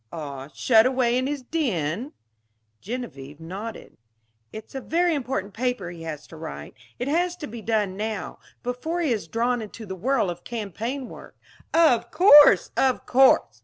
"Ah, shut away in his den?" Genevieve nodded. "It's a very important paper he has to write. It has to be done now, before he is drawn into the whirl of campaign work." "Of course! Of course!